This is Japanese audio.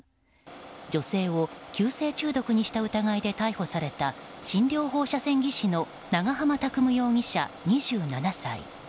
女性を急性毒物中毒にした疑いで逮捕された診療放射線技師の長浜拓夢容疑者、２７歳。